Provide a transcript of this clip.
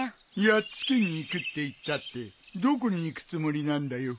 やっつけに行くって言ったってどこに行くつもりなんだよ。